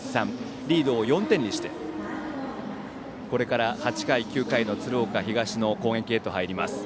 リードを４点にしてこれから８回、９回の鶴岡東の攻撃に入ります。